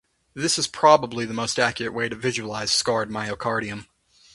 This is probably the most accurate way to visualise scarred myocardium.